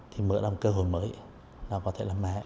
thì mở ra một cơ hội mới là có thể làm mẹ